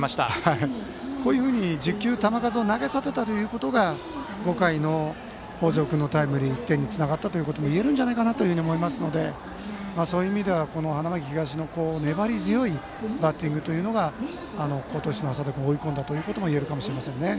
こういうふうに１０球、球数を投げさせたことが５回の北條君のタイムリーの１点につながったといえるんじゃないかなと思いますのでそういう意味では花巻東の粘り強いバッティングが好投手の淺田君を追い込んだ要因だと思いますね。